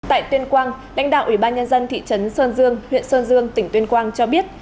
tại tuyên quang lãnh đạo ủy ban nhân dân thị trấn sơn dương huyện sơn dương tỉnh tuyên quang cho biết